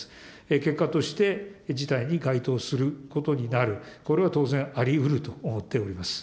結果として、事態に該当することになる、これは当然ありうると思っております。